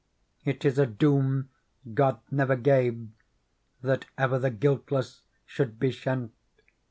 It is a doom God never gave That ever the guiltless should be shent.